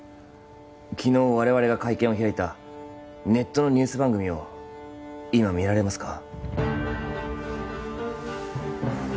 昨日我々が会見を開いたネットのニュース番組を今見られますか？